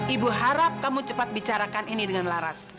ibu harap kamu cepat bicarakan ini dengan laras